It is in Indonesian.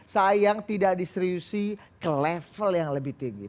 sayang tidak diseriusi ke level yang lebih tinggi